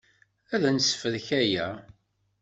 Ad nessefrek aya.